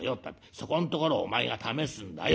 そこんところをお前が試すんだよ」。